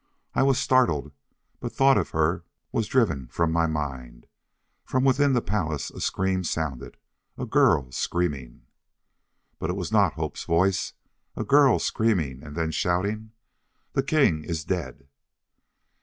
I was startled, but thought of her was driven from my mind. From within the palace a scream sounded. A girl screaming. But it was not Hope's voice. A girl, screaming, and then shouting: "The king is dead!"